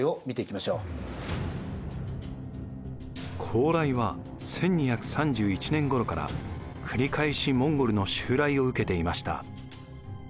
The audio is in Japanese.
高麗は１２３１年ごろから繰り返しモンゴルの襲来を受けていました。